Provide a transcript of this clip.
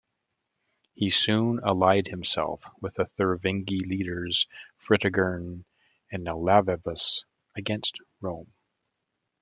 He soon allied himself with the Thervingi leaders Fritigern and Alavivus against Rome.